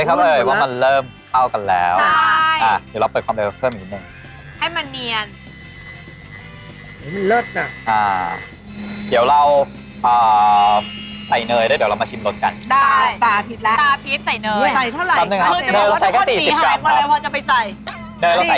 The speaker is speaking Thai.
เชฟคะทำไมเราต้องเป๊ะขนาดนั้นอ่ะมันจะเป็นยังไง